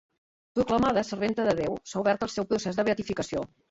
Proclamada serventa de Déu, s'ha obert el seu procés de beatificació.